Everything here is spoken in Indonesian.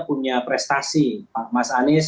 punya prestasi mas anies